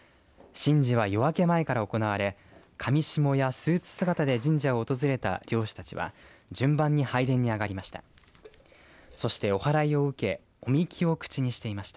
神事は、夜明け前から行われかみしもやスーツ姿で神社を訪れた漁師たちは順番に拝殿に上がりました。